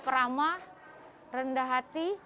ramah rendah hati